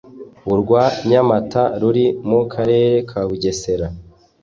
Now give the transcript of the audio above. urwa Nyamata ruri mu Karere ka Bugesera